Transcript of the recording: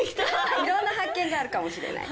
いろんな発見があるかもしれない。